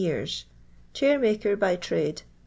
Chairmaker by trade.